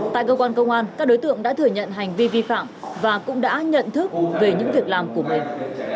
tại cơ quan công an các đối tượng đã thừa nhận hành vi vi phạm và cũng đã nhận thức về những việc làm của mình